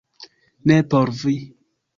- Ne por vi